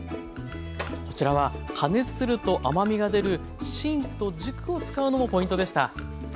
こちらは加熱すると甘みが出る芯と軸を使うのもポイントでした。